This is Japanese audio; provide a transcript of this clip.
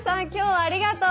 ありがとう！